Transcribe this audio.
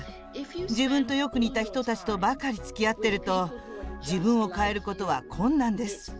自分とよく似た人たちとばかりつきあってると自分を変えることは困難です。